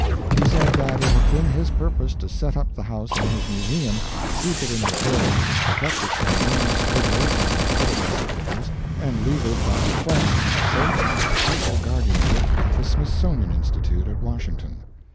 He said that it had been his purpose to set up the house in his Museum, keep it in repair, protect it from name scribblers and other desecrators, and leave it by bequest to the safe and perpetual guardianship of the Smithsonian Institute at Washington.